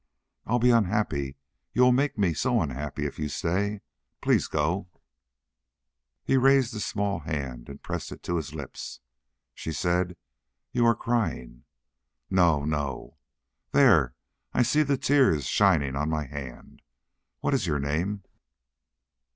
"I'll be unhappy. You'll make me so unhappy if you stay. Please go." He raised the small hand and pressed it to his lips. She said: "You are crying!" "No, no!" "There! I see the tears shining on my hand. What is your name?"